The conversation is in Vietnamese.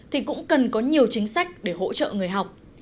thì cũng cần có nhiều chính sách để hỗ trợ người học